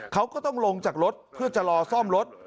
เขาก็ต้องลงจากรถเพื่อจะรอซ่อมรถ